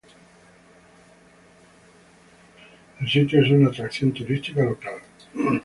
El sitio es una atracción turística local.